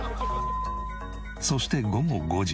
そして午後５時。